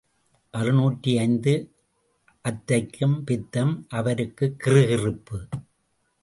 அறுநூற்று ஐந்து அத்தைக்குப் பித்தம் அவருக்குக் கிறுகிறுப்பு.